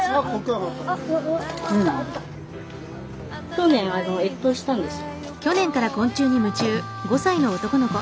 去年越冬したんです。